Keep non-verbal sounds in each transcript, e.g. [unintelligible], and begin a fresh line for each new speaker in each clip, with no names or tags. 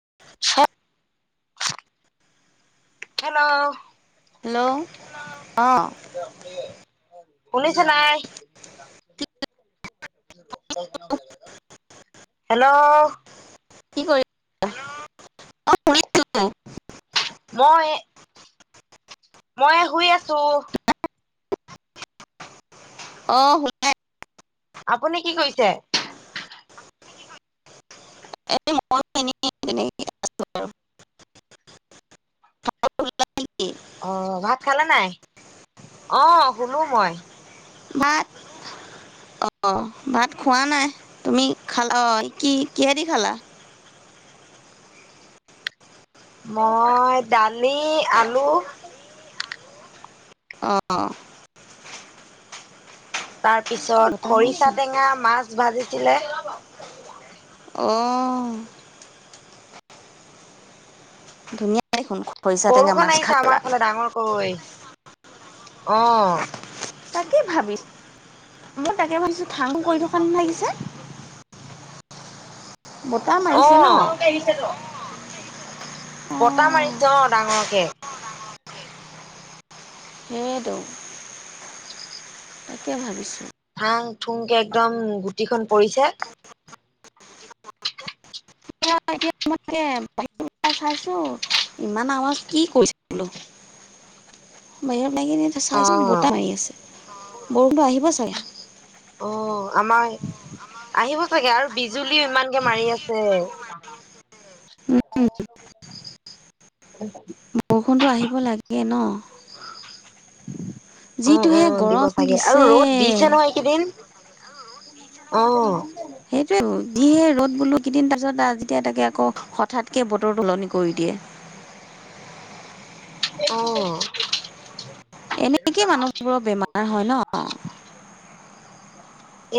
[unintelligible] Hello
hello অ
শুনিছে নাই হেল্ল'
কি কৰি [unintelligible] অ শুনিছো
মই মই শুই আছো
অ শুনাই
আপুনি কি কৰিছে
[unintelligible] [unintelligible]
আহ ভাত খালে নাই আহ শুলো মই
ভাত - অঁ ভাত খোৱা নাই তুমি খালা অঁ কি কিহেদি খালা
মই দালি আলু
অঁ
তাৰ পিছত
বতাহ
খৰিচা
মাৰিছে
টেঙা মাছ ভাজিছিলে
অ' ধুনীয়া দেখোন খৰিচা টেঙা
বৰষুণ
মাছ
আহিছে
খালা
আমাৰ ফালে ডাঙৰকৈ, অ'।
তাকে ভাবিছোঁ। মই তাকে ভাবিছোঁ থঠাঙ কৰি থোকান লাগিছে। বতাহ মাৰিছে ন
অ'
অ
বতাহ মাৰিছে। চ ডাঙৰকে।
হেইটো। তাকে ভাবিছোঁ।
থাং থুংকে একদম গুটিখন পৰিছে।
[unintelligible] চাইছোঁ ইমান আৱাজ কি কৰিছে বোলো? বাহিৰত লাগনে
অ
চাইছোন বতাহ মাৰি আছে। বৰষুণটো আহিব চাগে।
অ' আমাৰ আহিব চাগে আৰু বিজুলীও ইমানকে মাৰি আছে।
উম,
[unintelligible]
ফোনটো আহিব লাগে ন'?
[inaudible] অ',
যিটোহে
অ' দিব
গৰম
চাগে। আৰু
দিছে।
ৰ'দ দিছে নহয় এইকেইদিন অ'।
সেইটোৱেটো। যিয়েই ৰ'দ বোলো কেইদিন পাছত যেতিয়া তাকে আকৌ হঠাৎকৈ বতৰটো সলনি কৰি দিয়ে।
অ'।
এনেকে মানুহবোৰৰ বেমাৰ হয় ন'।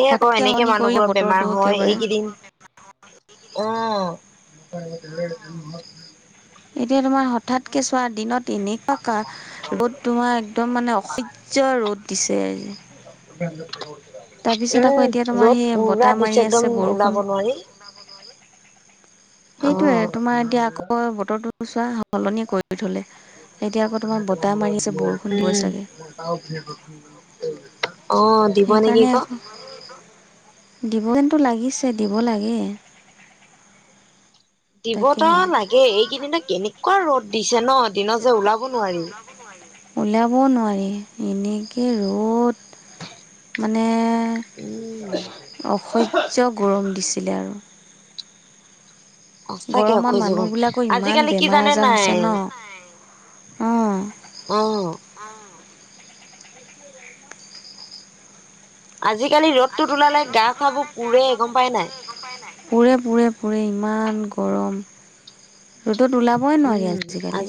এই আকৌ
হঠাৎকে
এনেকে
সলনি কৰি
মানুহবোৰৰ
বতৰটো
বেমাৰ হয়,
একেবাৰে।
এইকেইদিন অ'।
এতিয়া তোমাৰ হঠাৎকে চোৱা দিনত তেনেকুৱাকা ৰ'দ তোমাৰ একদম মানে অসহ্য ৰ'দ দিছে আজি। তাৰপিছত
উম,
আকৌ এতিয়া তোমাৰ
ৰ'দ
সেই
পুৰা
বতাহ মাৰি
দিছে,
আছে
একদম
বৰষুণ
ওলাব নোৱাৰি। অ
সেইটোয়ে তোমাৰ এতিয়া আকৌ বতৰটো চোৱা সলনিয়ে কৰি থলে। এতিয়া আকৌ তোমাৰ বতাহ মাৰি আছে বৰষুণ দিব চাগে
[unintelligible] দিব নেকি
সেইকাৰণে
ক।
আকৌ দিব যেন টো লাগিছে দিব লাগে।
দিবতো
তাকেহে
লাগে, এইকেইদিনা কেনেকুৱা ৰ'দ দিছে ন' দিনত যে ওলাব নোৱাৰি।
ওলাব নোৱাৰি এনেকে ৰ'দ। মানে অসহ্য গৰম দিছিলে আৰু।
সঁচাকে
গৰমত
অসহ্য গৰম।
মানুহবিলাকৰ ইমান
আজিকালি কি
বেমাৰ
জানে
আজাৰ হৈছে
নাই?
ন অ
অ'। [unintelligible] আজিকালি ৰ'দটোত ওলালে গা চাবোৰ পোৰে গম পাই নাই?
পুৰে পুৰে পুৰে ইমান গৰম। ৰ'দত ওলাবই নোৱাৰি আজিকালি।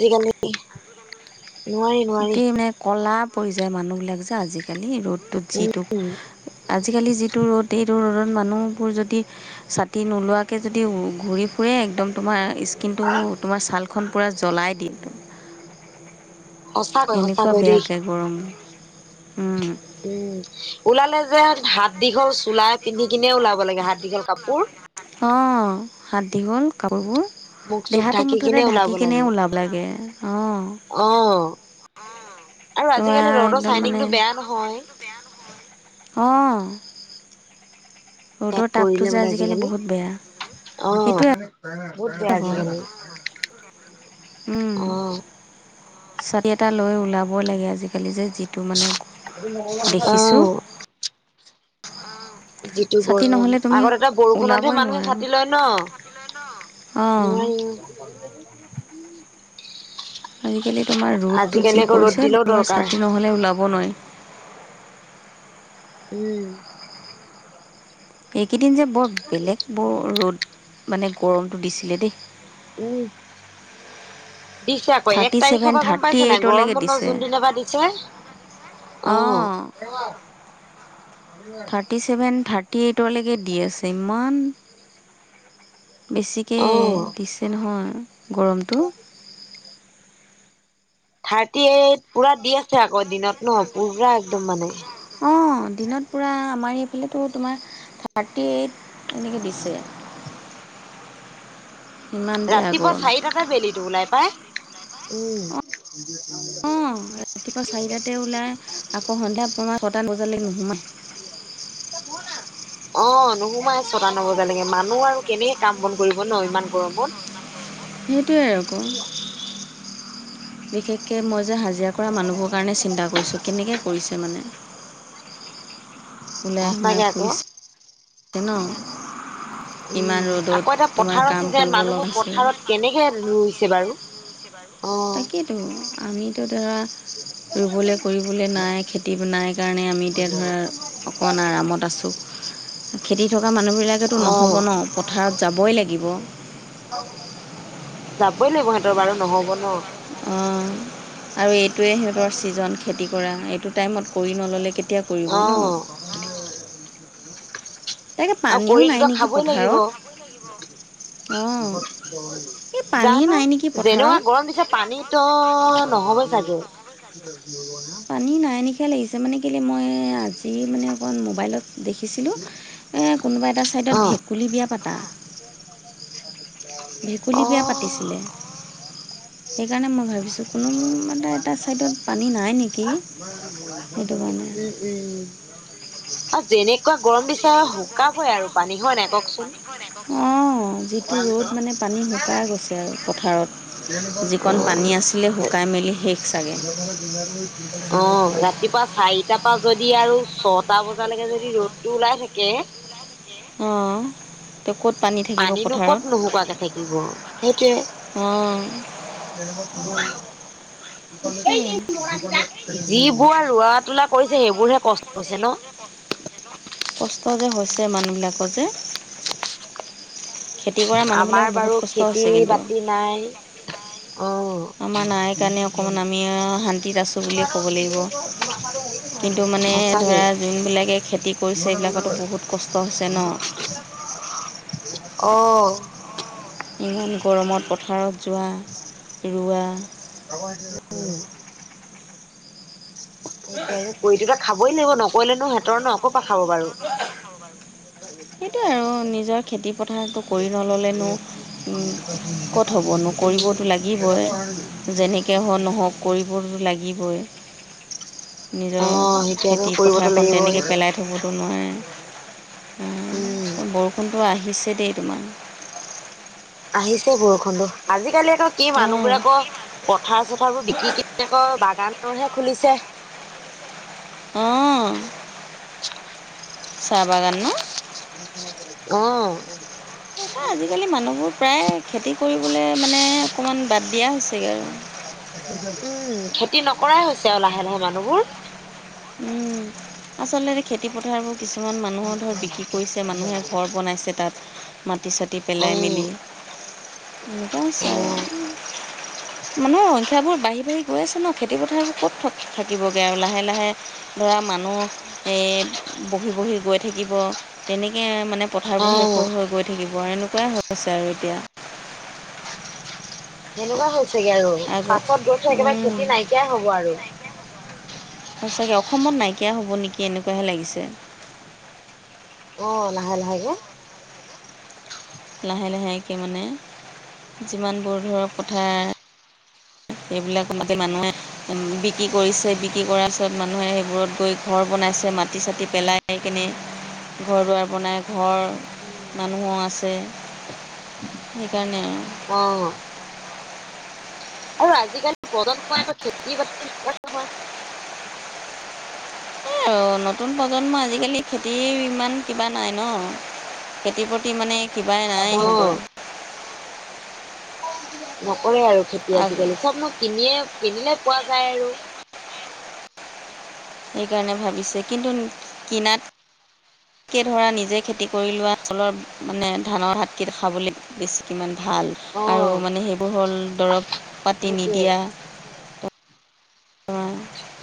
নোৱাৰি নোৱাৰি
গোটেই মানে ক'লা পৰি যায় মানুহবিলাক যে আজিকালি ৰ'দটোত।
উম
যিটো আজিকালি যিটো ৰ'দ এইটো ৰ'দত মানুহবোৰ যদি ছাতি নোলোৱাকৈ যদি ঘূৰি ফুৰে একদম তোমাৰ স্কিনটো তোমাৰ ছালখন জ্বলাই দিয়ে।
সঁচাকৈ
এনেকুৱা
সঁচাকৈ দেই
বেয়াকে গৰম, উম।
উম, ওলালে যে হাত দীঘল
হাত
চোলাই পিন্ধি
দীঘল
কিনে ওলাব লাগে
চোলাখিনি
হাত
পিন্ধি
দীঘল
ওলাব
কাপোৰ
লাগে। অ' হাত দীঘল কাপোৰবোৰ
মুখ চুখ
দেহাটো
ঢাকি
মুঠতে
কিনে ওলাব
ঢাকি কেনে
লাগে
ওলাব লাগে। অ'।
অ আৰু
তোমাৰ
আজিকালি ৰ'দৰ
একদম মানে,
চাইনিংটো বেয়া
মোৰো
নহয়
ছাইনিংটো বেয়া নহয়। অ'।
গাত পৰিলে মানে আজিকালি
বহুত বেয়া
অ',
সেইটোৱে
বহুত বেয়া আজিকালি।
উম,
অ
ছাতি এটা লৈ ওলাব লাগে আজিকালি যে। যিটো মানে
অ
দেখিছোঁ।
যিটো
ছাতি
গৰম
নহ'লে তুমি
আগত এটা বৰষুণতহে
ওলাবই
মানুহে
নোৱাৰা
ছাটি লয় ন'?
অঁ
নোৱাৰি অ,
আজিকালি তোমাৰ ৰ'দটো
আজিকালি
যি
আকৌ ৰ'দ
পৰিছে
দিলেও
তোমাৰ
দৰকাৰ
ছাতি নহ'লে ওলাব নোৱাৰি।
উম,
এইকেইদিন যে বৰ বেলেগ বৰ ৰ'দ মানে গৰমটো দিছিলে দেই।
উম, দিছে আকৌ এক
থাৰ্টি ছেভেন
তাৰিখৰ পৰা গম
থাৰ্টি
পাইছে নাই
এইটলৈকে
গৰম বন্ধ
দিছে
যোনদিনা পৰা দিছে।
অঁ
অ',
থাৰ্টি ছেভেন থাৰ্টি এইটলৈকে দি আছে ইমান বেছিকৈ
অ
দিছে নহয় গৰমটো
থাৰ্টি এইট পুৰা দি আছে আকৌ দিনত ন'। পুৰা একদম মানে
অ', দিনত পুৰা আমাৰ এইফালে তোমাৰ থাৰ্টি এইট এনেকে দিছে। ইমান বেয়া
ৰাতিপুৱা
গৰম
চাৰিটাতে বেলিটো ওলাই পাই উম,
অঁ ৰাতিপুৱা চাৰিটাতে ওলাই আকৌ সন্ধিয়া পা ছটা বজালৈকে নোসোমায় [inaudible]
অ', নোসোমাই ছটা নবজালৈকে মানুহ আৰু কেনেকে কাম বন কৰিব ন ইমান গৰমত।
সেইটোৱে আৰু ক'। বিশেষকৈ মই যে হাজিৰা কৰা মানুহবোৰ কাৰণে চিন্তা কৰিছোঁ কেনেকে কৰিছে মানে। ওলাই সোমাই
সঁচাকে আকৌ
ফুৰিছে ন'। ইমান
উম,
ৰ'দত
আকৌ এটা
তোমাৰ
পথাৰৰ
কাম
চিজন
কৰিব লগা
মানুহবোৰ পথাৰত কেনেকে ৰুইছে বাৰু? অ
তাকেতো আমিতো ধৰা ৰুবলৈ কৰিবলৈ নাই খেতি নাই কাৰণে আমি এতিয়া ধৰা অকণ আৰামত আছোঁ। [inaudible] খেতি থকা মানুহবিলাকেতো
অ
নহ'ব ন' পথাৰত যাবই লাগিব।
যাবই লাগিব সিহঁতৰ বাৰু নহব ন'।
অ', আৰু এইটোৱে সিহঁতৰ ছিজন খেতি কৰা এইটো টাইমত কৰি নল'লে কে
অ',
তাকে
আৰু
পানীও
কৰিতো
নাই
ত'
নেকি
খাবই লাগিব।
পথাৰত? অঁ এই পানী
জানো
নাই নেকি
যেনেকুৱা
পথাৰত?
গৰম দিছে পানীতো নহবই চাগে।
পানী নাই নি কিয়া লাগিছে মানে কেলৈ মই আজি মানে অকণ মোবাইলত দেখিছিলোঁ এই কোনোবা এটা ছাইডত
অ
ভেকুলী বিয়া পাতা। ভেকুলী
অ
বিয়া পাতিছিলে সেইকাৰণে মই ভাবিছোঁ কোনো মো মানে এটা ছাইডত পানী নাই নেকি, সেইটো কাৰণে।
উম, উম, আৰু যেনেকুৱা গৰম বিচাৰে শুকাবই আৰু পানী হয় নাই কওকচোন?
অঁ যিটো ৰ'দ মানে পানী সুকাই গৈছে আৰু পথাৰত।
অ',
যিকণ
অ',
পানী আছিলে শুকাই মেলি শেষ চাগে
ৰাতিপুৱা চাৰিটাৰ পৰা যদি আৰু ছটা বজালৈকে যদি ৰ'দটো ওলাই থাকে
অ',
পানীনো কত নোশুৱাকে থাকিব সেইটোৱে।
অঁ
সেই
সেইটোৱে
এই ল'ৰাকেইটা যি বোৱা ৰুৱা তোলা কৰিছে সেইবোৰহে কষ্ট হৈছে ন।
কষ্ট যে হৈছে মানুহবিলাকৰ যে। খেতি কৰা মানুহবিলাকৰ
আমাৰ
বহুত
বাৰু
কষ্ট
খেতি
হৈছে কিন্তু
বাতি নাই।
আমাৰ নাই কাৰণে অকণমান আমি শান্তিত আছোঁ বুলিয়ে ক'ব লাগিব
অ',
কিন্তু মানে ধৰা যোনবিলাকে খেতি কৰিছে এইবিলাকতো
সঁচাকে।
বহুত কষ্ট হৈছে ন
অ'।
ইমান গৰমত পথাৰত যোৱা ৰুৱা
সেই কৰি দুটা খাবই লাগিব নকৰিলেনো সিহঁতৰ ন' ক'ৰপা খাব বাৰু।
[inaudible] সেইটোৱে আৰু নিজৰ খেতি পথাৰটো কৰি নল'লেনো
মতে সি নিজে পাতি দি
নকৰিবতো লাগিবই যেনেকৈ হ নহওক কৰিবতো লাগিব। বৈ,
অ
নিজৰ
সেইটো আকৌ
খেতি
কৰিবতো
পথাৰখন
লাগিবই
তেনেকৈ পেলাই থব টো নোৱাৰে, আ,
উম
বৰষুণটো আহিছে। তেই তোমাৰ।
আহিছে বৰষুনটো। আজিকালি আকৌ কি
অঁ
মানুহবোৰে আকৌ পথাৰ চথাৰবোৰ বিকি কিনে আকৌ গানোহে খুলিছে।
অ'। চাহ বাগান ন'?
অ'।
তাপা আজিকালি
[unintelligible]
মানুহবোৰ প্ৰায়
উম,
কৰিবলৈ মানে
খেতি
অকণমান বাদ
নকৰাই
দিয়া হৈছেগৈ আৰু
হৈছে আৰু লাহে লাহে মানুহবোৰ।
উম, আচলতে খেতি পথাৰবোৰ কিছুমান মানুহৰ ধৰ বিক্ৰী কৰিছে, মানুহে ঘৰ বনাইছে তাত। মাটি চাটি পেলাই
উম
মেলি এনেকুৱা হৈছে
উম
আৰু। মানুহৰ সংখ্যাবোৰ বাঢ়ি বাঢ়ি গৈ আছে ন' খেতি পথাৰবোৰ ক'ত থ-থাকিবগৈ আৰু লাহে লাহে। ধৰা মানুহ এই বহি বহি গৈ থাকিব তেনেকৈ মানে পথাৰবোৰ শেষ হৈ
অ
হৈ গৈ থাকিব আৰু এনেকুৱাই হৈ আছে আৰু এতিয়া।
সেনেকুৱা হৈছেগে আৰু।
আকৌ
পাছত গৈ থৈ একেবাৰে খেতি নাইকিয়াই হ'ব আৰু।
সঁচাকে অসমত নাইকিয়া হ'ব নেকি এনেকুৱাহে লাগিছে।
অ' লাহে লাহে গে।
লাহে লাহেকে মানে যিমানবোৰ ধৰক কথাৰ সেইবিলাক মাতি মানুহে বিক্ৰী কৰিছে, বিক্ৰী কৰাৰ পিছত মানুহে সেইবোৰত গৈ ঘৰ বন নাইছে, মাটি চাটি পেলাই কেনে ঘৰ দুৱাৰ বনাই ঘৰ মানুহো আছে সেইকাৰণে আৰু।
অ'। আৰু আজিকালিৰ প্ৰজন্মই আকৌ খেতি বাতি নকৰে নহয়।
[inaudible] আৰু নতুন প্ৰজন্মই আজিকালি খেতি ইমান কিবা নাই ন' খেতি মানে কিবাই নাই
অ
সিহঁতৰ।
নকৰে আৰু খেতি আজিকালি। চবনো কিনিয়ে কিনিলেই পোৱা যায় আৰু।
এইকাৰণে ভাবিছে কিন্তু কিনাত কে ধৰা নিজে খেতি কৰি লোৱসকলৰ মানে ধানৰ হাতকট খাবলৈ বেছি কিমান ভাল
অ
আৰু মানে সেইবোৰ হ'ল দৰৱ পাতি
সেইটোৱে
নিদিয়া।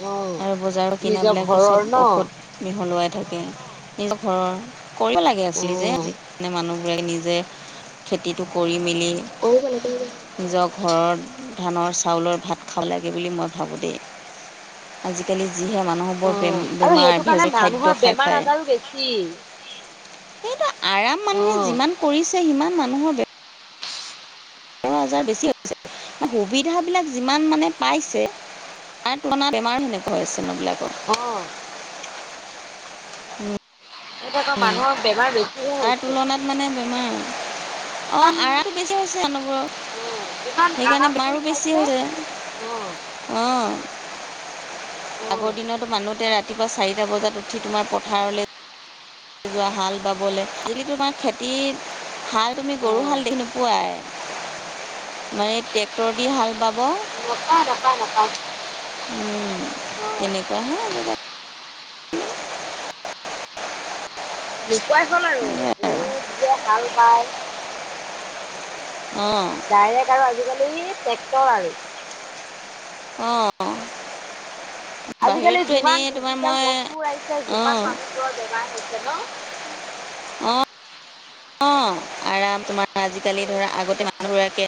অ
আৰু বজাৰৰ
নিজৰ
কিনাবিলাটো
ঘৰৰ
চব
ন
ঔষধ মিহলোৱাই থাকে নিজৰ ঘৰৰ, কৰিব লাগে
অ
আছিলি যে আজে মানুহ বোৰে নিজে খেতিটো কৰি মেলি
অ' বাইদেউ
নিজৰ ঘৰৰ, ধানৰ চাউলৰ ভাত খাব লাগে বুলি মই ভাবোঁ দেই। আজিকালি যিহে মানুহবোৰ
অ আৰু
বে-বেমাৰ
সেইটো
ভেজ
কাৰণে
খাদ্য
মানুহৰ
খাই
বেমাৰ
খাই।
আজাৰো বেছি
সেইটো আৰাম
অ
মানুহে যিমান কৰিছে সিমান মানুহৰ বে ৰো আজাৰ বেছি হৈছে। সুবিধাবিলাক যিমান মানে পাইছে আৰু তোমাৰ বেমাৰ সেনেকুৱা আছে ন' বিলাক
অহ।
উম।
এটো [unintelligible] ক মানুহক বেমাৰ ব
তাৰ তুলনাত মানে বেমাৰ অ',
যিমান
আৰাম বেছি হৈছে মানুহবোৰৰ
অ যিমান
সেইকাৰণে
আৰাম কৰি
বেমাৰো বেছি
খাইছে অঁ
হৈছে। অহ
অঁ
আগৰ দিনতো মানুহতে ৰাতি চাৰিটা বজাত ৰাতিপুৱা চাৰিটা বজাত উঠি তোমাৰ পথাৰলৈ যোৱা হাল বাবলৈ যদি তোমাৰ খেতি হাল তুমি
অঁ
গৰু হাল দেখি পোৱা অ', এই ট্ৰেক্টৰ দি হাল বা
নাপায় নাপায় নাপায়
উম,
অঁ
তেনেকুৱা হে
নুকোৱাই হ'ল আৰু গৰু যে হাল বাই
অঁ
ডাইৰেক্ট আৰু আজিকালি ট্ৰেক্টৰ আৰু
অ',।
আজিকালি যিমান
এনেই তোমাৰ
ডিজিটেল
মই
বস্তু আহিছে সিমান
অঁ
মানুহবোৰৰ বেমাৰ হৈছে ন।
অ', অ', আৰাম তোমাৰ আজিকালি ধৰা আগতে মানুহবো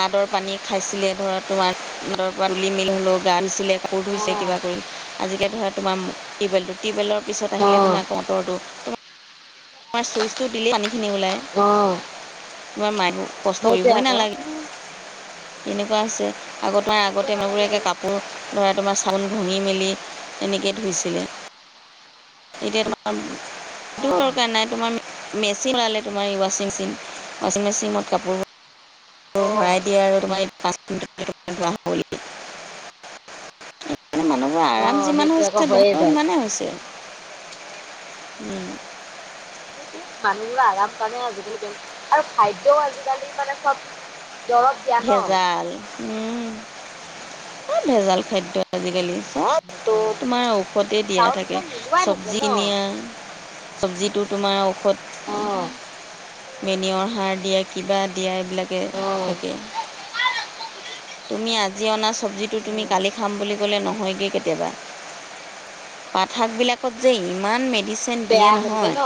নাদৰ পানী খাইছিলে ধৰা তোমাৰ নাদৰ পানী মিল হ'লেও গা ধুছিলে। আকৌ ধুইছে [unintelligible]
অঁ
কিবা কৰি আজিকৈ ধৰা তোমাৰ টিউবৱেলটো টিউবৱেলৰ পিছত আহিলে
অঁ
তোমাক মটৰটো তোমাৰ চুইচটো দিলে পানীখিনি ওলায়
অঁ
তোমাৰ মা কষ্ট
সেইটোৱে
কৰিবই
আকৌ
নালাগে তেনেকুৱা আছে আগত তোমাৰ
কৰিব
আগতে
নালাগে
মবীয়াকৈ
আৰু
কাপোৰ ধৰাটো মাছ ফ [unintelligible] ভাঙি মেলি এনেকৈ ধুইছিলে এতিয়া তোমাৰ
অ',।
মেচিন ললে তোমাৰ এ ৱাচিং মেচিন, ৱাচিং মেচিনত কাপোৰোৰ
অঁ
ভৰাই দিয়ে আৰু তোমাৰ [unintelligible] আৰাম
অঁ
যিমান
সেইটো আকৌ
হৈছে
হৈয়ে
বেমাৰো
যায়
সিমানেই হৈছে। উম।
সেইটোৱে মানুহবোৰৰ আৰাম কাৰণে আজিকালি কে আৰু খাদ্যও আজিকালি মানে চব দৰৱ দিয়া ন।
ই ভেজাল খাদ্য আজিকালি। অ', তোমাৰ ঔষতে দিয়া
চাউল
থাকে
দুটা মিলোৱাই থাকে
চব্জি
ন
নিয়া চব্জিটোত তোমাৰ ঔষধ
অ
বেনিয়ৰ সাৰ দিয়ে, কিবা দিয়া এইবিলাকে
অহ।
[unintelligible] তুমি আজি অনা চব্জিটো
উ
তুমি কালি খাম বুলি ক'লে নহয়গে কেতিয়াবা। পাত শাকবিলাকত যে ইমান মেডিচিন দিয়ে
বেয়া হৈ থাকে
নহয়
ন